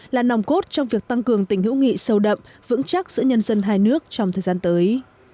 là nòng cốt trong việc tăng cường tình hữu nghị sâu đậm vững chắc giữa nhân dân hai nước trong thời gian tới